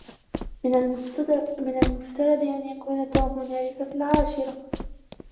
من المفترض أن يكون توم هنا في العاشرة.